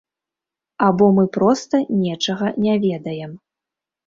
Або мы проста нечага не ведаем.